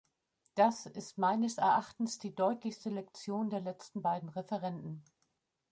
Das ist meines Erachtens die deutlichste Lektion der letzten beiden Referenden.